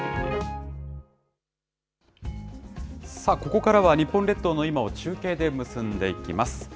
ここからは日本列島の今を中継で結んでいきます。